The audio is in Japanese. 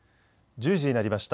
１０時になりました。